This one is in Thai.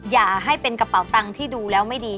อย่าให้เป็นกระเป๋าตังค์ที่ดูแล้วไม่ดี